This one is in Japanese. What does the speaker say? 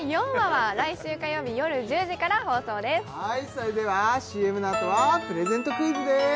それではＣＭのあとはプレゼントクイズです